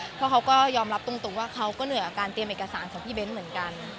เพราะเขาก็ยอมรับตรงว่าเขาก็เหนื่อยกับการเตรียมเอกสารของพี่เบ้นเหมือนกัน